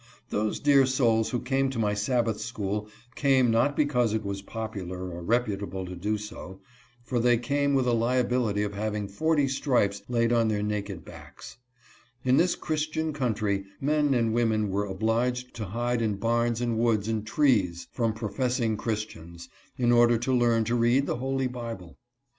Those dear souls who came to my Sabbath school came not because it was popular or reputable to do so, for they came with a liability of having forty stripes laid on their naked backs. In this Christian country men and women were obliged to hide in barns and woods and trees A BAND OF BROTHERS. 189 from professing Christians, in order to learn to read the Holy Bible.